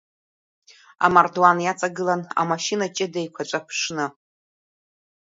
Амардуан иаҵагылан амашьына ҷыда еиқәаҵәа ԥшны.